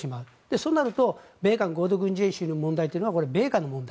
そうなると米韓合同軍事演習はこれは米韓の問題。